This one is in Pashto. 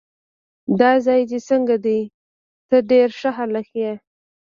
دا ځای دې څنګه دی؟ ته ډېر ښه هلک یې.